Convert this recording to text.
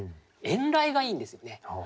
「遠雷」がいいんですよね。